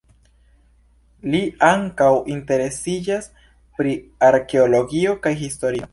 Li ankaŭ interesiĝas pri arkeologio kaj historio.